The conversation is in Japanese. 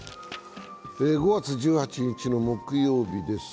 ５月１８日の木曜日です。